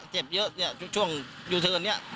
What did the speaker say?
เจ็บเยอะเนี่ยช่วงยูเทิร์นเนี่ย